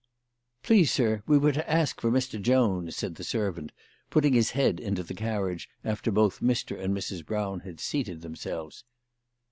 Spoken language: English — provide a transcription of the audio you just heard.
" PLEASE, sir, we were to ask for Mr. Jones," said the servant, putting his head into the carriage after both Mr. and Mrs. Brown had seated themselves.